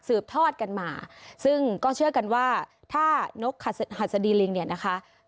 ทอดกันมาซึ่งก็เชื่อกันว่าถ้านกหัสดีลิงเนี่ยนะคะ